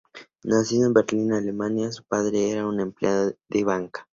Nacido en Berlín, Alemania, su padre era un empleado de banca.